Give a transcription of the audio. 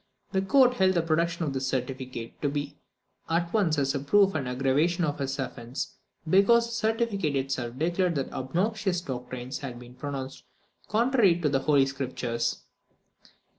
The court held the production of this certificate to be at once a proof and an aggravation of his offence, because the certificate itself declared that the obnoxious doctrines had been pronounced contrary to the Holy Scriptures.